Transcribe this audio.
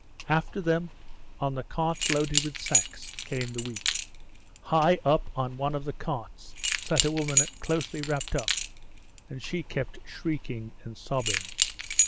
After them, on the carts loaded with sacks, came the weak. High up on one of the carts sat a woman closely wrapped up, and she kept shrieking and sobbing.